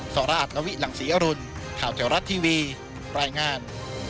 สราชนวิหลังศรีอรุณข่าวแถวรัฐทีวีรายงาน